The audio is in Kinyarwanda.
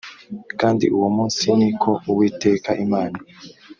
kandi uwo munsi ni ko uwiteka imana